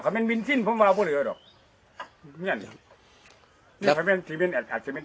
ก็มันมิ้นจิ้นพระม่าพวกเหลือเอง